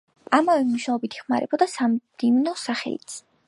ამავე მნიშვნელობით იხმარებოდა „სამდივნო სახლიც“.